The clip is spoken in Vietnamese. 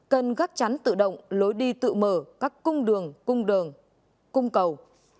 cần gác chắn tự động lối đi tự mở các cung đường cung đường cung cầu